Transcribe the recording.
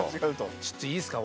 ちょっといいですか。